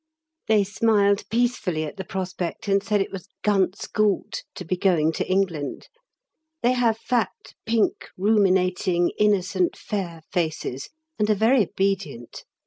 They smiled peacefully at the prospect and said it was ganz gut to be going to England. They have fat, pink, ruminating, innocent, fair faces, and are very obedient.